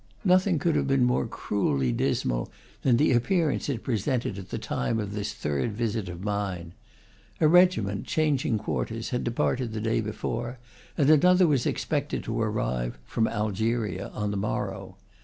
Nothing could have been more cruelly dismal than the appearance it presented at the time of this third visit of mine. A regiment, changing quarters, had departed the day before, and another was expected to arrive (from Algeria) on the morrow.